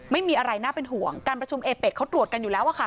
ไม่มีอะไรน่าเป็นห่วงการประชุมเอเป็ดเขาตรวจกันอยู่แล้วอะค่ะ